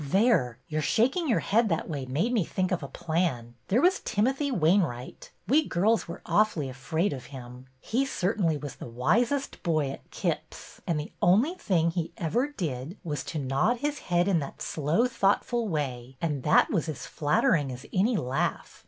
'' There, your shaking your head that way made me think of a plan. There was Timothy Wain right. We girls were awfully afraid of him. He certainly was the wisest boy at Kip's, and the only thing he ever did was to nod his head in that slow, thoughtful way, and that was as flattering as any laugh.